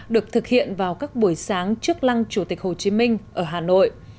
được thực hiện vào các buổi sáng trước lăng chủ tịch hồ chí minh ở hà nội